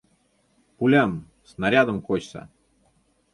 Пулям, снарядым кочса.